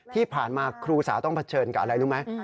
ที่ผ่านมาครูสาวต้องเผชิญกับอะไรรู้ไหม